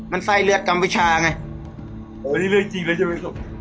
มันใส่เลือดกำวิชาอันนี้เรื่องจริงแล้วใช่มั้ยครับ